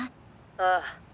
ああ。